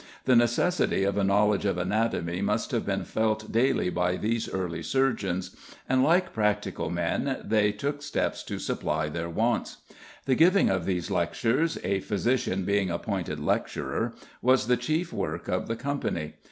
The necessity of a knowledge of anatomy must have been felt daily by these early surgeons, and, like practical men, they took steps to supply their wants. The giving of these lectures, a physician being appointed lecturer, was the chief work of the Company.